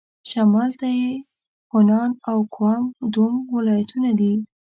شمال ته یې هونان او ګوانګ دونګ ولايتونه دي.